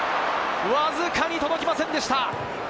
わずかに届きませんでした。